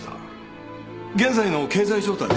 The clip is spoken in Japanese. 現在の経済状態は。